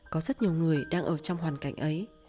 có rất nhiều người đang ở trong hoàn cảnh ấy